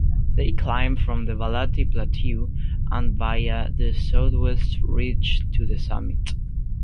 They climbed from the Balati plateau and via the southwest ridge to the summit.